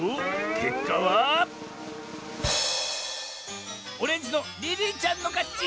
けっかはオレンジのリリーちゃんのかち！